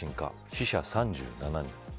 死者３７人。